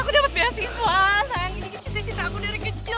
aku dapat beasiswa yang keluar negeri